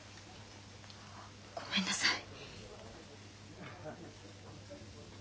ごめんなさい。